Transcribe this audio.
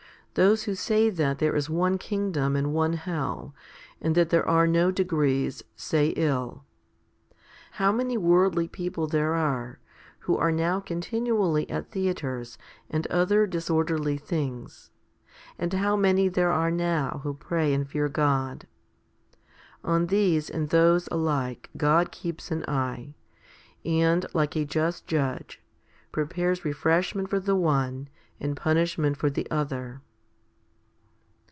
Those who say that there is one kingdom and one hell, and that there are no degrees, say ill. How many worldly people there are who are now continually at theatres and other disorderly things, HOMILY XL 263 and how many there are now who pray and fear God ! On these and those alike God keeps an eye, and, like a just judge, prepares refreshment for the one and punishment for the other.